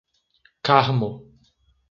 Carmo